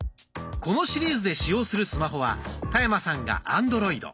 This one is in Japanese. このシリーズで使用するスマホは田山さんがアンドロイド。